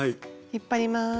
引っ張ります。